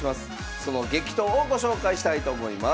その激闘をご紹介したいと思います。